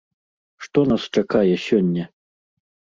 Што нас чакае сёння?